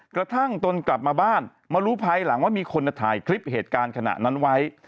ตนกลับมาบ้านมารู้ภายหลังว่ามีคนถ่ายคลิปเหตุการณ์ขณะนั้นไว้